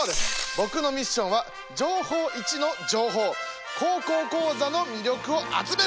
僕のミッションは「情報Ⅰ」の情報「高校講座」の魅力を集める！